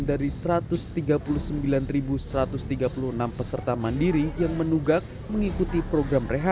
dari satu ratus tiga puluh sembilan satu ratus tiga puluh enam peserta mandiri yang menunggak mengikuti program rehabilitasi